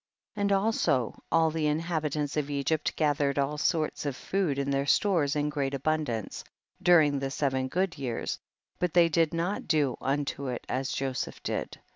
11. And also all the inhabitants of Egypt gathered all sorts of food in their stores in great abundance during the seven good years, but they did not do unto it as Joseph did.